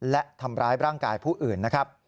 และทำร้ายร่างกายผู้อื่นนะครับ